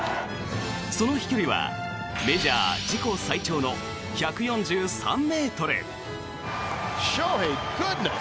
その飛距離はメジャー自己最長の１４３ｍ。